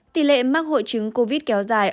tỷ lệ mắc hội chứng covid kéo dài